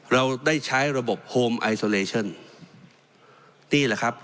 เราได้ใช้ระบบโฮมไอโซเลชั่นนี่แหละครับ